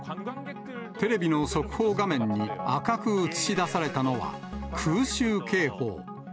テレビの速報画面に赤く映し出されたのは、空襲警報。